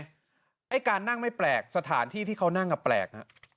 ไอ้การนั่งไม่แปลกสถานที่ที่เขานั่งแปลก